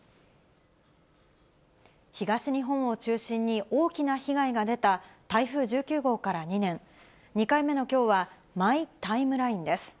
東日本を中心に大きな被害が出た台風１９号から２年、２回目のきょうは、マイタイムラインです。